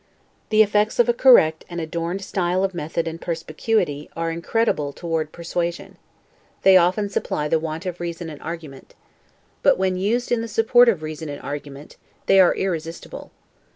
The effects of a correct and adorned style of method and perspicuity, are incredible toward persuasion; they often supply the want of reason and argument, but, when used in the support of reason and argument, they are irresistible.